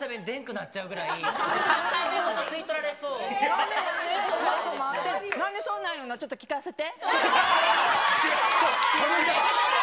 なんでそんなん言うの、ちょっと聞かせて。